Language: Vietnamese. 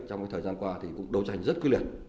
trong thời gian qua thì cũng đấu tranh rất quyết liệt